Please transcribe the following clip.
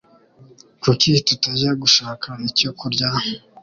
Kuki tutajya gushaka icyo kurya?